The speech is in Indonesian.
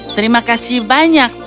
terima kasih banyak